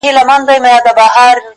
چي زما په لورې هغه سپينه جنگرکه راځې”